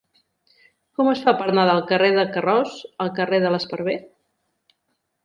Com es fa per anar del carrer de Carroç al carrer de l'Esparver?